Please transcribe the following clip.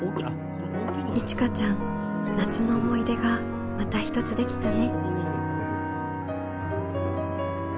いちかちゃん夏の思い出がまた一つできたね。